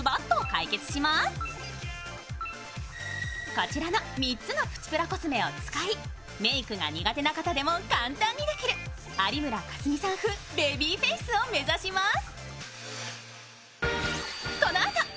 こちらの３つのプチプラコスメを使いメークが苦手な方でも簡単にできる有村架純さん風ベビーフェイスを目指します。